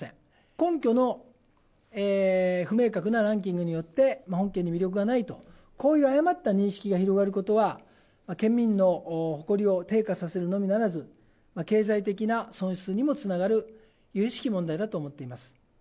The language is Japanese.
根拠の不明確なランキングによって、本県に魅力がないと、こういう誤った認識が広がることは、県民の誇りを低下させるのみならず、経済的な損失にもつながる、ゆゆしき問題だと思っています。